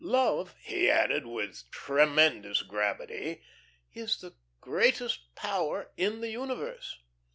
Love," he added, with tremendous gravity, "is the greatest power in the universe."